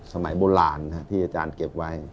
สมัยโบราณที่อาจารย์เก็บไว้